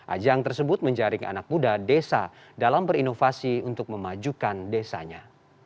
ajang tersebut menjaring anak muda desa dalam berinovasi untuk memajukan desanya